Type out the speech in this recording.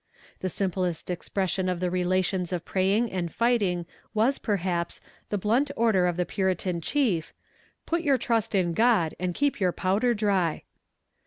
The simplest expression of the relations of praying and fighting was, perhaps, the blunt order of the puritan chief, "Put your trust in God, and keep your powder dry."